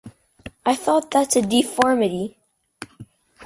I thought, that's a deformity!